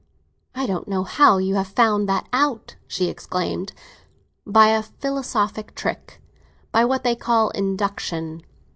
"I don't know how you have found that out!" she exclaimed. "By a philosophic trick—by what they call induction.